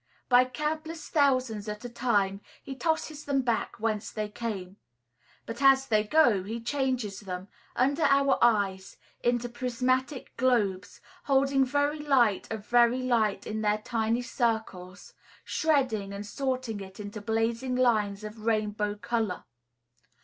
By countless thousands at a time he tosses them back whence they came; but as they go, he changes them, under our eyes, into prismatic globes, holding very light of very light in their tiny circles, shredding and sorting it into blazing lines of rainbow color.